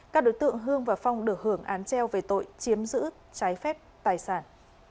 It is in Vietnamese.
các đối tượng hương và phong được hưởng án treo về tội chiếm giữ trái phép tài sản